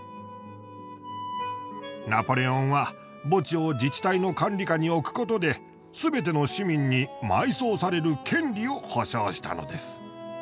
ナポレオンは墓地を自治体の管理下に置くことですべての市民に埋葬される権利を保障したのです。